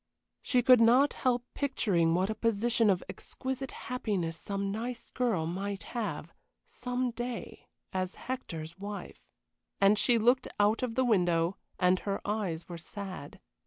She could not help picturing what a position of exquisite happiness some nice girl might have some day as Hector's wife. And she looked out of the window, and her eyes were sad.